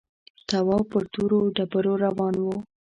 تواب پر تورو ډبرو روان شو.